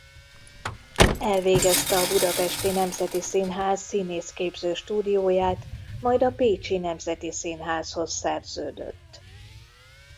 Elvégezte a budapesti Nemzeti Színház színészképző stúdióját majd a Pécsi Nemzeti Színházhoz szerződött.